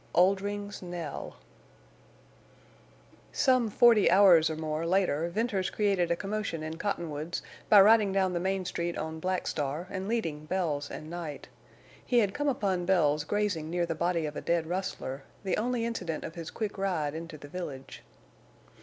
OLDRING'S KNELL Some forty hours or more later Venters created a commotion in Cottonwoods by riding down the main street on Black Star and leading Bells and Night. He had come upon Bells grazing near the body of a dead rustler, the only incident of his quick ride into the village.